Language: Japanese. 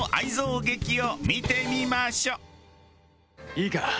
いいか？